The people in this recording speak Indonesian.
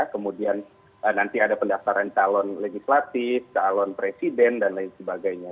kemudian nanti ada pendaftaran calon legislatif calon presiden dan lain sebagainya